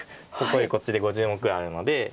こっちで５０目あるので。